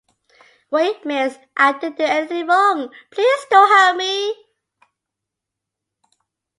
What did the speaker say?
Wait miss, I didn't do anything wrong please don't hurt me.